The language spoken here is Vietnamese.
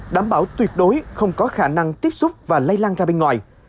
đảm bảo tuyệt đối không có khả năng tiếp xúc và lây lan ra bên ngoài